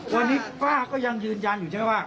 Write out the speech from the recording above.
วันนี้ป้าก็ยังยืนยันอยู่ใช่ไหมว่า